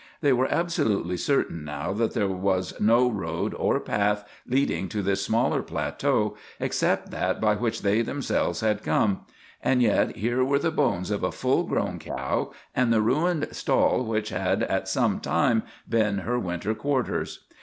They were absolutely certain now that there was no road or path leading to this smaller plateau except that by which they themselves had come; and yet here were the bones of a full grown cow and the ruined stall which had at some time been her winter quarters.